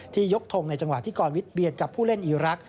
ที่ยกทงในจังหวัดที่ก่อนวิทย์เบียดกับผู้เล่นอีรัก